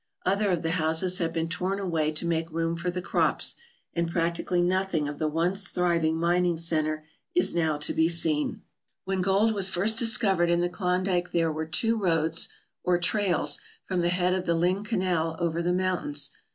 Other of the houses have been torn away to make room for the crops, and practically nothing of the once thriving mining centre is now to be seen. When gold was first discovered in the Klondike there were two roads, or trails, from the head of the Lynn Canal over the mountains.